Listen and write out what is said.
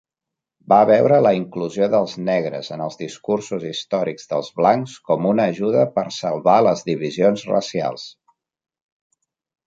Va veure la inclusió dels negres en els discursos històrics dels blancs com una ajuda per salvar les divisions racials.